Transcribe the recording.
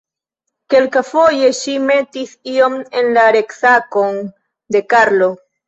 Kelkafoje ŝi metis ion en la retsakon de Karlo.